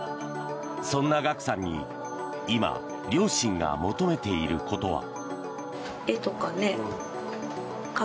そんなＧＡＫＵさんに今、両親が求めていることは。